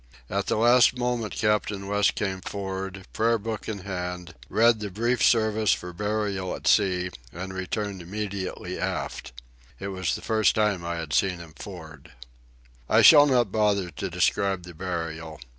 At the last moment Captain West came for'ard, prayer book in hand, read the brief service for burial at sea, and returned immediately aft. It was the first time I had seen him for'ard. I shall not bother to describe the burial.